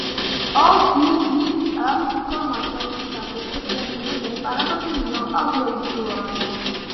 Ogg es un formato usado preferentemente para contenido audiovisual.